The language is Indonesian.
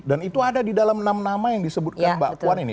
dan itu ada di dalam nama nama yang disebutkan mbak puan ini